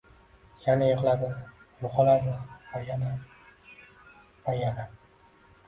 yana yig‘iladi, yo‘qoladi... va yana, va yana.